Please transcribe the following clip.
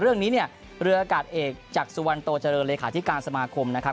เรื่องนี้เนี่ยเรืออากาศเอกจากสุวรรณโตเจริญเลขาธิการสมาคมนะครับ